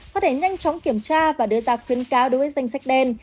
có thể nhanh chóng kiểm tra và đưa ra khuyến cáo đối với danh sách đen